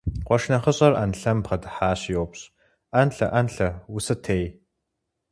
Къуэш нэхъыщӀэр Ӏэнлъэм бгъэдыхьащи йоупщӀ: – Ӏэнлъэ, Ӏэнлъэ, усытей?